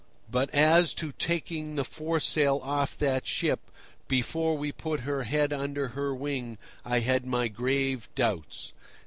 But as to taking the foresail off that ship before we put her head under her wing, I had my grave doubts.